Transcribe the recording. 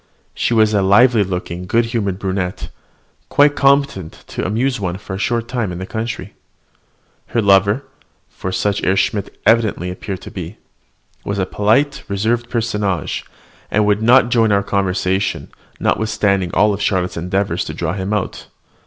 She was a lively looking, good humoured brunette, quite competent to amuse one for a short time in the country. Her lover (for such Herr Schmidt evidently appeared to be) was a polite, reserved personage, and would not join our conversation, notwithstanding all Charlotte's endeavours to draw him out.